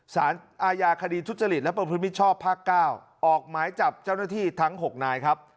สารอาญาคดีทุจริตและประพฤติมิชชอบภาค๙ออกหมายจับเจ้าหน้าที่ทั้ง๖นายครับ